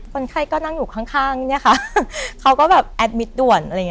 คนไข้ก็นั่งอยู่ข้างเขาก็แบบแอดมิตรด่วน